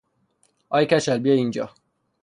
آی کچل بیا اینجا!